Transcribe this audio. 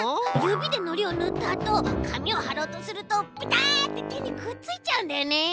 ゆびでのりをぬったあとかみをはろうとするとペタッててにくっついちゃうんだよね。